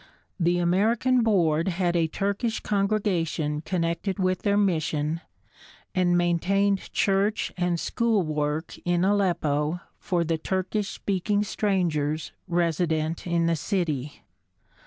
The American Board had a Turkish congregation connected with their mission and maintained church and school work in Aleppo for the Turkish speaking strangers resident in the city.